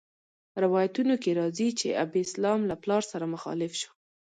روایتونو کې راځي چې ابسلام له پلار سره مخالف شو.